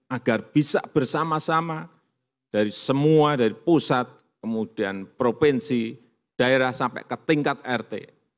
agar bisa bersama sama dari semua dari pusat kemudian provinsi daerah sampai ke tingkat rt